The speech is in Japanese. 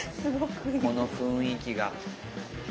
この雰囲気が。